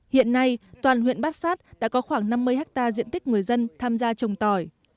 hiện nay toàn huyện bát sát đã có khoảng năm mươi hectare diện tích người dân tham gia trồng tỏi